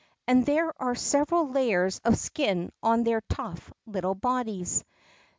And there are several layers of skin on their tough, little bodies.